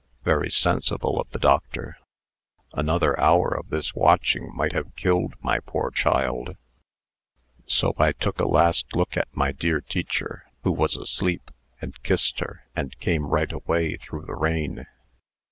"Very sensible of the doctor. Another hour of this watching might have killed my poor child." "So I took a last look at my dear teacher who was asleep and kissed her, and came right away through the rain."